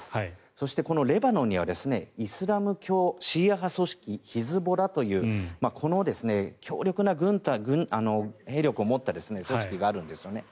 そしてこのレバノンにはイスラム教シーア派組織ヒズボラというこの強力な兵力を持った組織があるんですよね。